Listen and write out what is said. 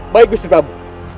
baik mr tabu